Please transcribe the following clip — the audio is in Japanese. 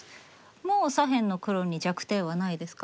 もう左辺の黒に弱点はないですか？